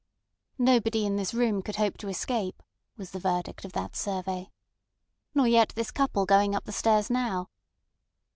"Nobody in this room could hope to escape," was the verdict of that survey. "Nor yet this couple going up the stairs now."